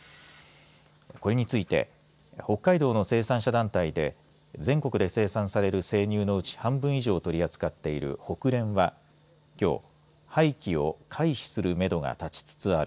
これについて北海道の生産者団体で全国で生産される生乳のうち半分以上を取り扱っているホクレンはきょう廃棄を回避するめどが立ちつつある。